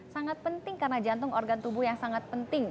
sangat penting karena jantung organ tubuh yang sangat penting